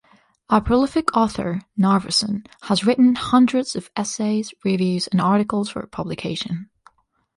A prolific author, Narveson has written hundreds of essays, reviews and articles for publication.